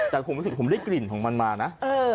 แต่ผมรู้สึกผมได้กลิ่นของมันมานะ